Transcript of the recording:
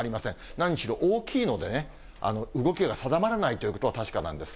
何しろ大きいのでね、動きが定まらないということは確かなんです。